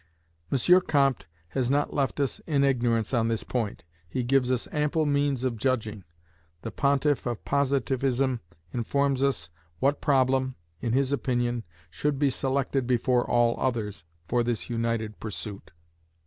M. Comte has not left us in ignorance on this point. He gives us ample means of judging. The Pontiff of Positivism informs us what problem, in his opinion, should be selected before all others for this united pursuit.